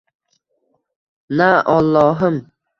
Na ollohim